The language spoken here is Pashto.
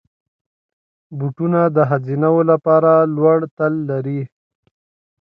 بوټونه د ښځینه وو لپاره لوړ تل لري.